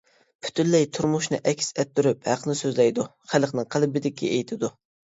پۈتۈنلەي تۇرمۇشنى ئەكس ئەتتۈرۈپ، ھەقنى سۆزلەيدۇ، خەلقنىڭ قەلبىدىكى ئېيتىدۇ.